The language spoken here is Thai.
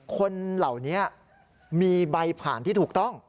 คนเหล่านี้มีใบผ่านที่ถูกต้อง